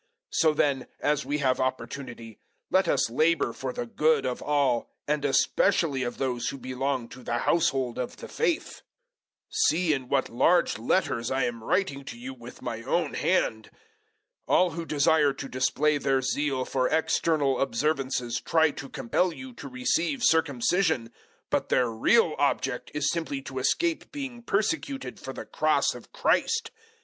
006:010 So then, as we have opportunity, let us labour for the good of all, and especially of those who belong to the household of the faith. 006:011 See in what large letters I am writing to you with my own hand. 006:012 All who desire to display their zeal for external observances try to compel you to receive circumcision, but their real object is simply to escape being persecuted for the Cross of Christ.